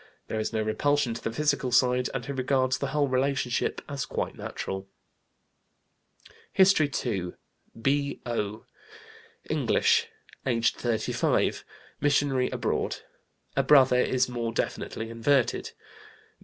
There is no repulsion to the physical side, and he regards the whole relationship as quite natural. HISTORY II. B.O., English, aged 35, missionary abroad. A brother is more definitely inverted.